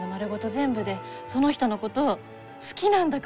全部でその人のこと好きなんだからさ！